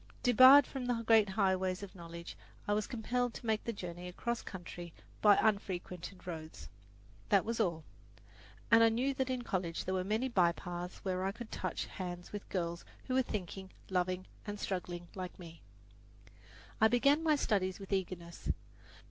Debarred from the great highways of knowledge, I was compelled to make the journey across country by unfrequented roads that was all; and I knew that in college there were many bypaths where I could touch hands with girls who were thinking, loving and struggling like me. I began my studies with eagerness.